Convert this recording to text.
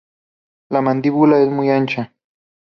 La mandíbula es muy ancha.